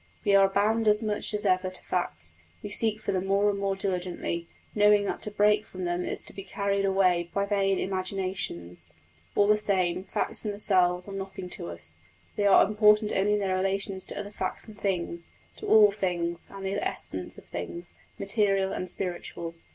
We are bound as much as ever to facts; we seek for them more and more diligently, knowing that to break from them is to be carried away by vain imaginations. All the same, facts in themselves are nothing to us: they are important only in their relations to other facts and things to all things, and the essence of things, material and spiritual.